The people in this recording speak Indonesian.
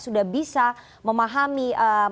sudah bisa memahami